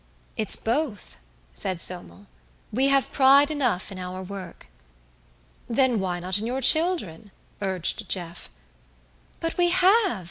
"It's both," said Somel. "We have pride enough in our work." "Then why not in your children?" urged Jeff. "But we have!